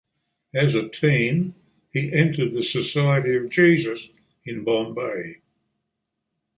As a teen, he entered the Society of Jesus in Bombay.